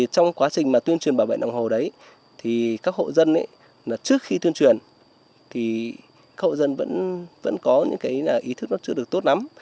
trong quá trình tuyên truyền bảo vệ nòng hồ đấy các hộ dân trước khi tuyên truyền thì các hộ dân vẫn có những ý thức chưa được tốt lắm